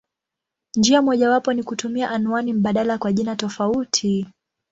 Njia mojawapo ni kutumia anwani mbadala kwa jina tofauti.